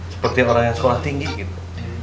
seperti orang yang sekolah tinggi gitu